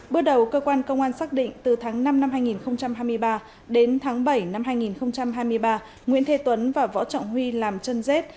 bước đầu cơ quan công an xác định từ tháng năm năm hai nghìn hai mươi ba đến tháng bảy năm hai nghìn hai mươi ba nguyễn thế tuấn và võ trọng huy làm chân dết